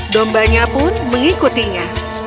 dombanya pun mengikutinya